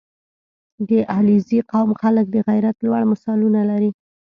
• د علیزي قوم خلک د غیرت لوړ مثالونه لري.